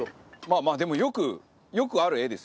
まあまあでもよくよくある画ですよ